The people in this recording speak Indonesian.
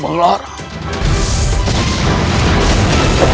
dan harus kesepakatan